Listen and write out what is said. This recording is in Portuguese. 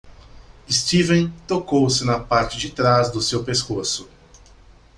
Steven tocou-se na parte de trás do seu pescoço.